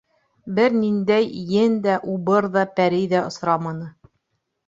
Бер ниндәй ен дә, убыр ҙа, пәрей ҙә осраманы.